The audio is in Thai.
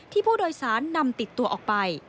ผู้โดยสารนำติดตัวออกไป